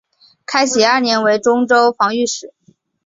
开禧二年为忠州防御使。